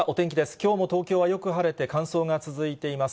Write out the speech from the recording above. きょうも東京はよく晴れて、乾燥が続いています。